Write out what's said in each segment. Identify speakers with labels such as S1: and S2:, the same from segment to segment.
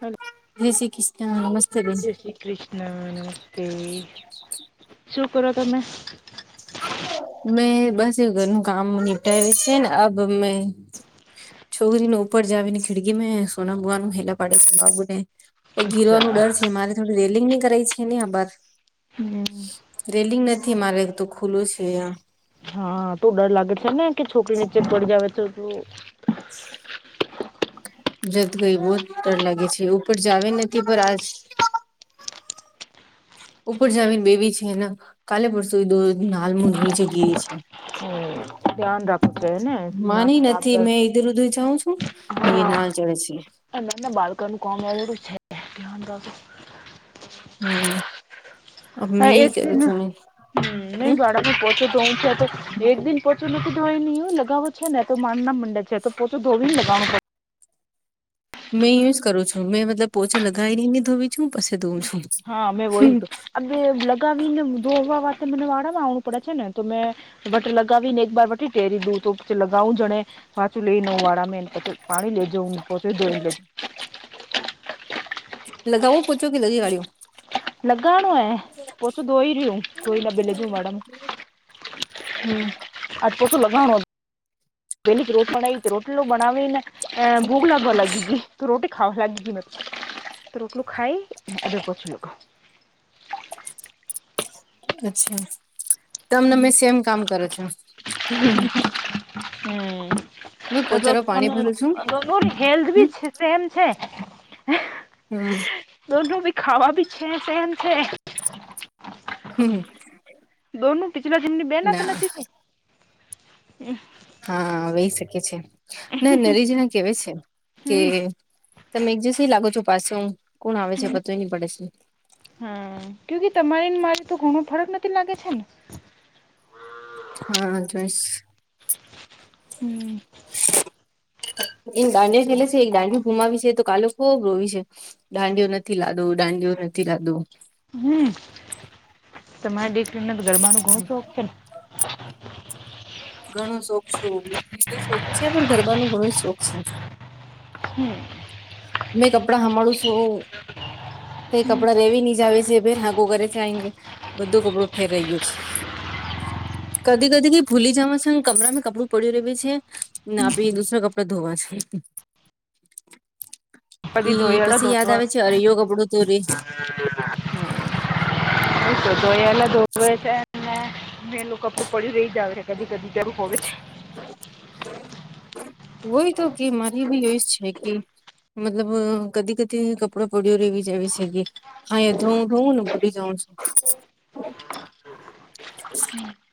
S1: Hello
S2: જય શ્રી કૃષ્ણ નમસ્તે બેન.
S1: જય શ્રી કૃષ્ણ નમસ્તે. શું કરો તમે?
S2: મેં બસ એ ઘરનું કામ નિપટાવ્યું છે ને અમે છોકરીને ઉપર જાવને ખીડગી મે સોના બુવાનું હેલા પાડે છે બાબુને ગીરવાનું
S1: અચ્છા
S2: ડર છે મારે થોડું રેલિંગની કરાય છે ને આ બાર
S1: હમ
S2: રેલિંગ નથી મારે એક તો ખુલ્લું છે આ
S1: હા તો ડર લાગે છે ને કે છોકરી નીચે પડી જવે તો
S2: [inaudible] ગય બહ જ ડર લાગે છે ઉપર જાવ નથી પણ આ ઉપર જાવી ને બેબી છેને કાલે પસ દો નાલ મ નીચે ગી છે.
S1: ધ્યાન રાખવું છે ને નાના
S2: માની નથી
S1: ટાબર
S2: મેં ઈધર ઉધર જાઉં છું. એ ના
S1: હા
S2: ચડે છે.
S1: નાના બાળક નનું કોમ અરું છે ધ્યાન રાખો.
S2: હમ્મ અમે જન સઁખ્યા હમ્મ
S1: પોચ ધવું છે તો એક દિ પોચો નથી ધોવાઈ ન લગાવો છે ને તો માર ના મંડે છે તો પોછો ધોવી ન લગવા પ
S2: મેં યું જ કરું છું મેં મતલબ પોચા લગાવીને ધોવી છું પછી ધોવું છું
S1: હા મે વય
S2: હમ
S1: હતું હવે લગાવીને ધોવા વા માટે વાળામાં આવણું પડે છે ને તો મેં વટ લગાવી ને એક વાર વટી ટેરી દૂ તો લગઉ જણે પાચું લઈનેવ વાળા મેને પોછ પાણી લેજ પોતે જોઈને લેજો
S2: લગાઓ પોછો કે લગાડી કડ્યો
S1: લગાનો એ પછું દોહી રહું દોહી ડબે લેજુ માડાનું
S2: હમ્મ
S1: આજ પોચો લગાળો વહેલીથી રોટ બના રોટટી બનાવીને ભૂગલા ભવા લાગી હતી રોટી ખાાવ લાગ જ મત તો રોટલું ખાઈ એદર કરછ લ
S2: અચ્છા તમને
S1: હમ
S2: મેં સેમ કામ કરે છો હમ્મ
S1: હમ્મ
S2: પોચામાં પાણી ભરું છું
S1: મલ હેલ્થ
S2: હમ
S1: બી છે પ્રેમ છે
S2: હમ્મ
S1: દોન ભી ખાવા ભી છે સેમ છે
S2: હમ્મ
S1: દોન પિચલા જન્મ ની બેના તો નથી હ
S2: હા વહી શકે છે નરેજ ના કેવા છે કે
S1: હમ
S2: તમે એક જિવસી લાગો છો પાછો હ કોણ આવે છે પતય નહી પડે છે
S1: હમ્મ કુ કે તમારી મારી તો ઘણો ફરક નથી લાગે છે ને
S2: હા જોઈશ
S1: હમ
S2: એ દાંડિયા ખેલે છે એક દાંડિયા ગુમાવી છે તો ક લોકો રોવી છે દાંડીયો નથી લાદો દાંડીયો નથી લાદો
S1: હમ્મ તમારે દેખરીને તો ગરબા ન ઘણું શોખ છે ને
S2: ઘણું શોખ સો શોખ છે પણ ગરબાનું ઘણું શોખ છે
S1: હમ્મ
S2: મેં કપડાં હમાડું છું કપડાં રેવી નહી જ આવે છે કરે છે આ કે બધો કપડો ફેરઈ ગયો છે કદી કદી કઈ ભૂલી જવા છે કમરામાંં કપડું પડ્યું રેવે છે ને આપી દૂરા કપડા ધોવા છે કે
S1: બધી ધોયાડા
S2: પછી યાદ આવે છે
S1: ધોવા
S2: અરિયો કપડો તોરી હમ્મ
S1: તો તો એ એલા ધોવે છે મે એ મેલું કપડું પડી્યું રહી જાવ છે કદી કદી જરૂું હોય છે
S2: હોય તો કે મારી બી એ છે કે મતલબ કદી કદી કપડો પડીયો રવી જવી છે હા હું ધોઉં ને ભૂલી જાઉં છું
S1: [inaudible]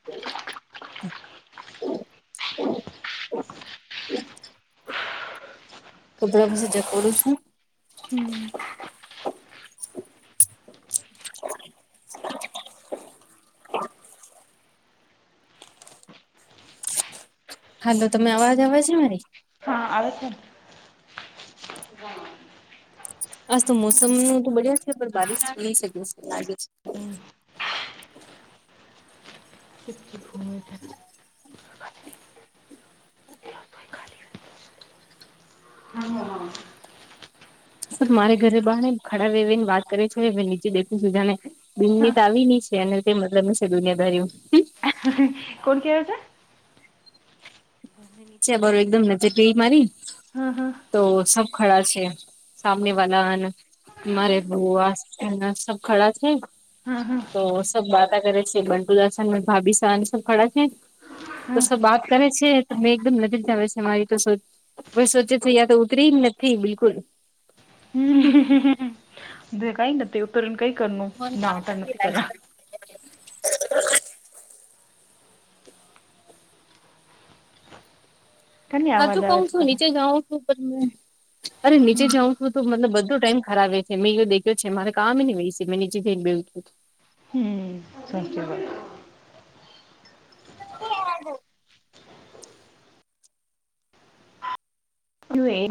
S2: તો પ્રભ સજા કરું છું
S1: હમ્મ
S2: હાલો તમે અવાજ આવે છે મારી
S1: હા આવે છે
S2: આ તો મોસમ ન તો બડિયા છે પણ બારિશ લઈ શકે છે લાગે
S1: ને હમ્મ
S2: મારે ઘરે બહારને ખડા રેવી ને વાત કરે છે હ નીચે દેખું છુ જાણે બિનની તો આવીની છે અને તે મતલબ છે દુનિયાદારી
S1: કોણ કેવે છે
S2: નીચે બર એકદમ નજર ગયે મારી
S1: હમ્મ હમ્મ.
S2: તો સબ ખડા છે સામને વાહન મારે બુ આસના સબ ખડા છે.
S1: હા હા
S2: તો સબ બાતતા કરે છે બન્ટુ દશન ભાભી સહની સબ ખડા છે. તો
S1: હા
S2: સર વાત કરે છે. તમે એકદમ નજીરતા વ મારી તો સોચે છે યા તો ઉતરી નથી બિલકુલ.
S1: કઈ નથી ઉતરણ કઈ કરનું ના ઉતરણ નથી કર. કની
S2: હાચું
S1: અવાજ
S2: કઉ
S1: આવે છે
S2: છું
S1: તમે
S2: નીચે જાઉં છું પણ અરે નીચે જાઉં છું. [unintelligible]
S1: હમ્મ હમ્મ સાચી વાત.
S2: [unintelligible]
S1: [unintelligible] ચાલ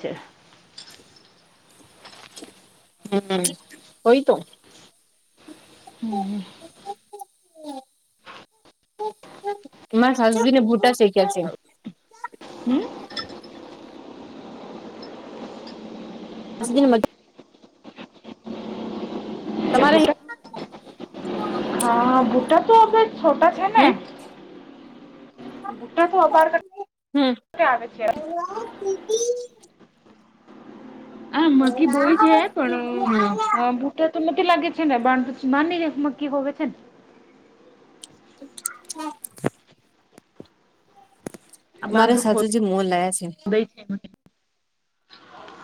S1: છે.
S2: હમ્મ હોય તો.
S1: હમ
S2: [inaudible] મારા સાસુએ ગોટા શેકા છે.
S1: હમ્મ.
S2: [unintelligible]
S1: કે
S2: તમારે.
S1: ભૂટા [unintelligible] તો અવે છોટ છે
S2: હમ
S1: ને.
S2: હમ
S1: [unintelligible] આ મકી બોય છે, પણ તો તો નથીતી લાગે છે [unintelligible]
S2: [inaudible]
S1: આ બાંધ
S2: મારા સાધુ
S1: ખોદાય
S2: જે મો લાયા છે,.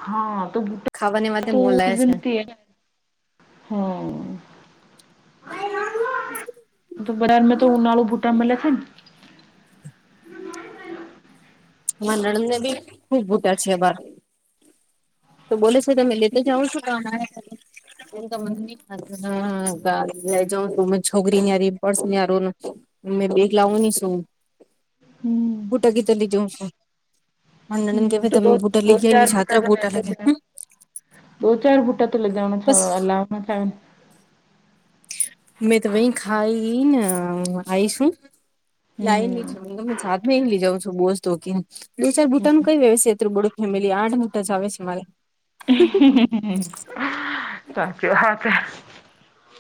S1: હા તો.
S2: ખાવાની માટે
S1: તો
S2: મોલ લાયા છે
S1: હા. તો બરાારમાં તો ઉનાળુ ભૂટા મળ લે છે, ને
S2: નાણાં નવીબી ખૂબ ભૂટા છે બાર. તો બોલે છે તમે લેતા જાઉ છો ક. [unintelligible] અમે બેગ લાવો નની શું
S1: હમ
S2: ફૂટકી તો લીજો નણંદ કેવાય તમે બૂટા લઈ જયા સાત્ર બૂટા લાગે
S1: દો ચાર બૂટા તો લગજાના લાવના થાયને
S2: મેં તો વહી ખાઈ ને આઈશ હું. લાઈ હી છું હું ગમે સાત લઈ જઉં છું બોસ તો ક્યા દ ચાર બૂટા નું કઈ વ્યવું બડું ફેમિલી આઠ બૂટા જ આવે છે, મારે
S1: હમ્મ સાચું હા.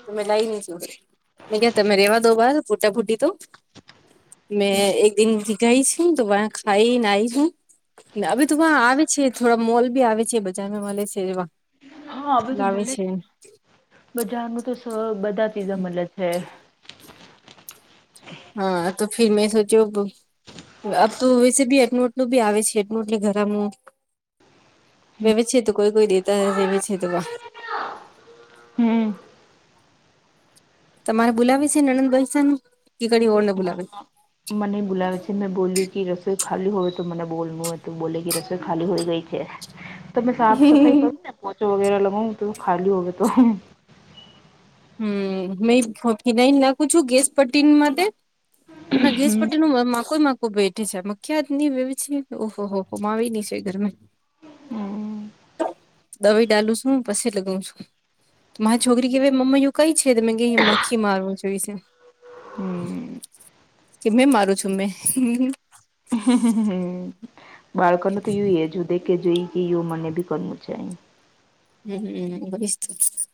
S2: તો મેં લાઈ નહી છ મેં કતા મેં રેવા દો બાર ફૂટા ભૂટી તો. મેં એક દિન ભી ગઈ છું તોબા ખાઈ નાઈ હું. હવે તો આવે છે થોડા મોલ બી આવે છે બજારમાં મળ છે,
S1: હા હવે તો મળે છે બજાર ન તો સ બધા પીઝા મળે છે,
S2: હા તો ફર મેં સોચ્યો આ તોશે બી એકટ નટ નું બી આવે છે એટનુંટલે ઘરામાં છે તો કોઈ કોઈ દેતા હ વવે છે, તો વા
S1: હમ્મ.
S2: તમારે બોલાવે છે નનંદભાઈ સર કે કડી ઓળને બોલાવે છે?
S1: હમ્મ મને બોલાવે છે મેં બોલ્યું કે રસોઈ ખાલી હોય તો મને બોલવું હોય તો બોલે કે રસોઈ ખાલી હોય ગઈ છે.
S2: [inaudible]
S1: તમે સાફ સફાઈ કરું ને પોચો વગેરે લગાવું તો ખાલી હોવે તો.
S2: હમ્મ મે ફીનાઈને નાખું છું ગેસ પટીન માટે. ના ગેસ
S1: હમ્મ
S2: પટીનુંમા કોઈ બેઠે છેમ ખ્યાત હીવી છે ઓહો હોહો મા આવી ની છે ઘરમે દવાઈ ડાલું છું પસે લગાવું છું મારી છોકરી કેવી મમ્મું કઈ છે મે ગ માખી મારવું જોઈ છે, કે મેં મારું છું મેં
S1: બાળકનું તો એયું એજ દે કે જોઈ કે મને બી કરવું છે,
S2: [unintelligible]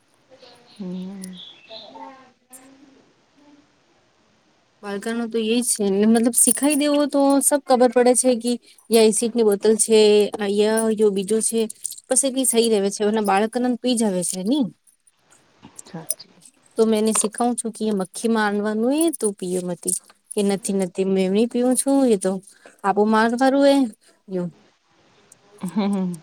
S1: હમ
S2: વાળકણો તો એજ છે ને મતલબ શીખાઈ દેવો તો સબ ખબર પડે છે કે યાં એસડ ની બોટલ છે અયા બીજો છે બસ એટલી સઈ રહે છે બાળકને પીજાવે છેની
S1: સાચી
S2: તો મેંને શીખાવું છું કે મખ્ખી માં આડવાનું એ હતું પીઓમાં કે નથી નથી એમની પીવ છુંય તો આપું માર ફરું એ
S1: હમ.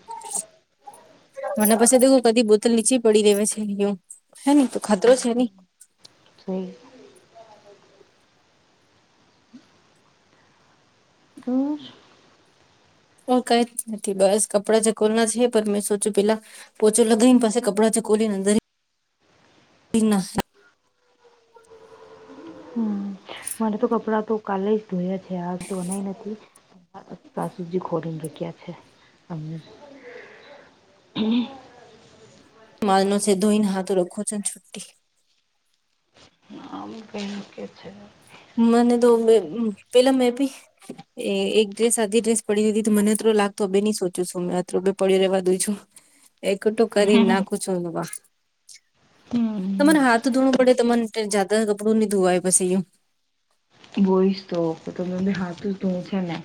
S2: મને પછી કદી બોતલ નીચી પડી દેવે છે એવું હે ને તો ખતરો છે ને.
S1: સહી ઘર
S2: ઓ કઈ જ નથી બસ કપડા જકોર ના છે પણ મેં સોચ્યું પેલા પોચો લગને પાસે કપડા ચકોલીને અંદર ના
S1: મને તો કપડાં તો કાલે જ ધોયા છે આજ તો બનાય નથી સાસુજી ખોડીને રક્યા છે અમને
S2: એ છે મા નસે ધોઈને હા રખોન છુટી
S1: આમ કેહે કે છે
S2: મને તો બે પેલા મેપી એ એક ડ્રેસ સાધી ડ્રેસ પડી દીધી મને એ લાગતો હ બે નની સોચું છું મેં અ પડ્યો રેવા દું છું. એકટું કરી નાખૂ છું.
S1: હમ
S2: તમારે હાથ ધોુવું પડે તમાને જદા કપડું નહીં ધોવાય પછી એ
S1: બોઈશ તો તમે હા ધોં છે ને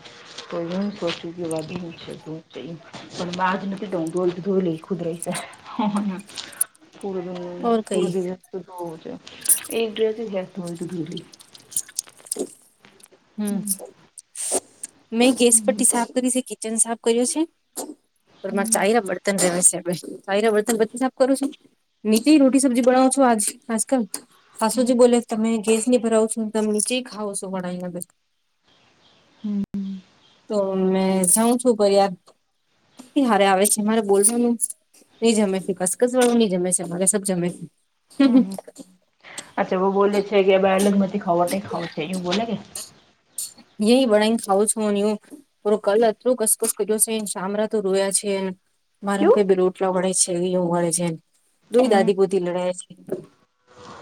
S1: તો એ સોચ્યું કે ધ છે પણ બા જ નથી ધોઈ ધોઈ લઈ ખુદ રહી હ પુ દિ
S2: ઓર
S1: પુ
S2: કઈ
S1: દિવ છે એ ડ હત હોય તો ધૂલી
S2: હમ મેં ગેસ પટ્ટી સાફ કરી છે કિચન સાફ કર્યું છે મારે
S1: હમ,
S2: ચાઈ રબડ ન છે વર્તન પછી સાફ કરું છું નીતિ રોટી સબ્જી બનાવ છો આજ આજકાલ સાસુજી બોલે તમે ગેસ ની ભરાવો છો તમે નીચે ખાવો છો ઘણ
S1: હમ
S2: તો મે જાઉં છું ભ યાર હારે આવે છે મારે બોલવાનું નઈ જમે ત કસકસ વાળું નહી જમે છે અમારે સબ જમે છેું
S1: હમ અચ્છા બહ બોલે છે કે બ અલગ મથી ખવા ખાવું છે એવું બોલે કે
S2: એય બડા ને ખાવ છું હું પ કલ અટલું કસકસ કર્યો છેને શામળા તો રોયા છેને. મારે એમ ક
S1: ક્યું
S2: બ રુંટલા વડે છે એવું વડે છેમ. દોહી
S1: હમ
S2: દાદી પોતે લડાય છે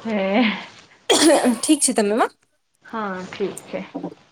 S1: હે
S2: ઠીક છે તમેમાં
S1: હા ઠીક છે
S2: [unintelligible]